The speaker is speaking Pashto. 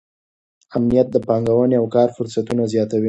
امنیت د پانګونې او کار فرصتونه زیاتوي.